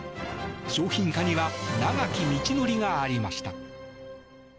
商品化には長き道のりがありました。